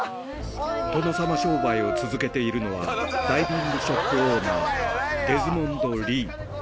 殿様商売を続けているのは、ダイビングショップオーナー、デズモンド・リー。